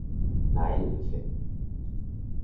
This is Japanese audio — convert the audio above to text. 萎えるぜ